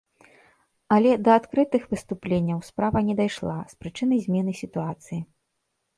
Але да адкрытых выступленняў справа не дайшла, з прычыны змены сітуацыі.